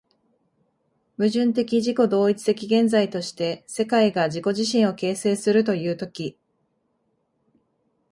矛盾的自己同一的現在として、世界が自己自身を形成するという時、